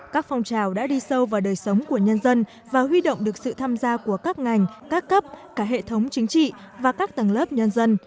các phong trào đã đi sâu vào đời sống của nhân dân và huy động được sự tham gia của các ngành các cấp cả hệ thống chính trị và các tầng lớp nhân dân